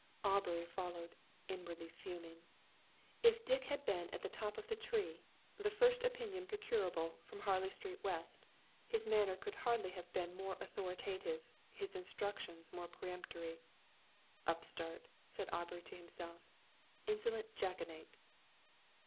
Aubrey followed, inwardly fuming. If Dick had been at the top of the tree, the first opinion procurable from Harley Street, W., his manner could hardly have been more authoritative, his instructions more peremptory. "Upstart!" said Aubrey to himself. "Insolent Jackanapes!"